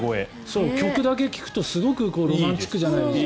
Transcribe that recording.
曲だけ聴くとすごいロマンチックじゃないですか。